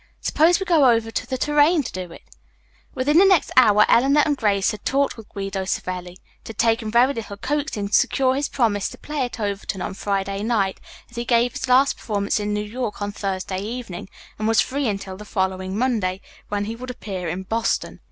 "Suppose we go over to the 'Tourraine' to do it." Within the next hour Eleanor and Grace had talked with Guido Savelli. It had taken very little coaxing to secure his promise to play at Overton on Friday night, as he gave his last performance in New York on Thursday evening, and was free until the following Monday, when he would appear in Boston.